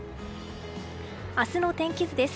明日の天気図です。